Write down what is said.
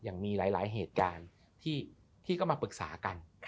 ยังมีหลายเหตุการณ์ที่ก็มาปรึกษากัน